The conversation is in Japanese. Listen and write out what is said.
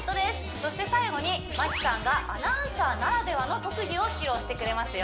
そして最後に麻希さんがアナウンサーならではの特技を披露してくれますよ